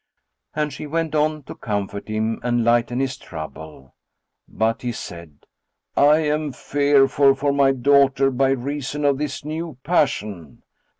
And she went on to comfort him and lighten his trouble; but he said, "I am fearful for my daughter by reason of this new passion.